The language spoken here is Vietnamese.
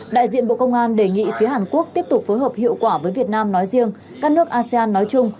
đại diện bộ công an đề nghị phía hàn quốc tiếp tục phối hợp hiệu quả với việt nam nói riêng các nước asean nói chung